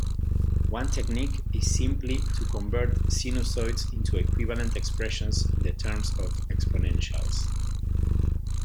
One technique is simply to convert sinusoids into equivalent expressions in terms of exponentials.